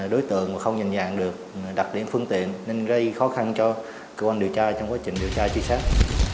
đối tượng không nhìn dạng được đặc điểm phương tiện nên gây khó khăn cho công an điều tra trong quá trình điều tra truy sát